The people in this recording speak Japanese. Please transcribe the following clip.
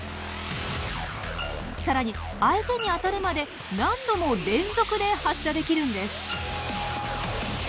更に相手に当たるまで何度も連続で発射できるんです。